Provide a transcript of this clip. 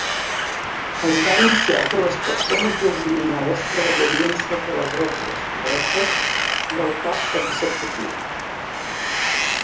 Es va anunciar que les persones designades treballarien sota les ordres directes del cap executiu.